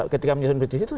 ketika menyusun petisi itu